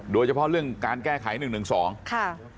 โดยเฉพาะเรื่องการแก้ไข๑๑๒ค่ะ